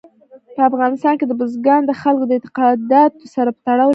په افغانستان کې بزګان د خلکو د اعتقاداتو سره تړاو لري.